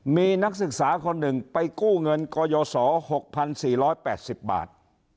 มีนักศึกษาคนหนึ่งไปกู้เงินกยศ๖๔๘๐บาท